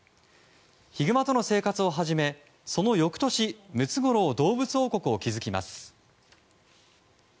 ヒグマとの生活を始めその翌年ムツゴロウ動物王国を築きます。